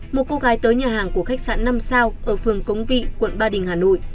một cô gái tới nhà hàng của khách sạn năm sao ở phường cống vị quận ba đình hà nội